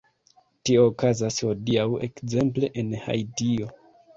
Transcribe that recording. Tio okazas hodiaŭ, ekzemple, en Haitio.